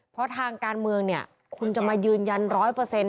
เพราะทางการเมืองคุณจะมายืนยัน๑๐๐